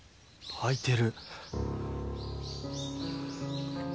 開いてる。